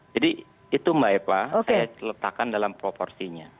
itu mbak eva saya letakkan dalam proporsinya